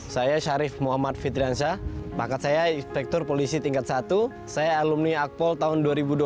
saya sharif muhammad fitransyah pangkat saya inspektur polisi tingkat i saya alumni akpol tahun dua ribu dua belas